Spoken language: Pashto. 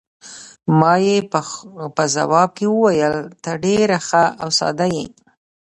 ما یې په ځواب کې وویل: ته ډېره ښه او ساده یې.